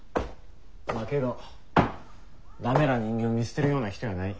まあけど駄目な人間を見捨てるような人やない。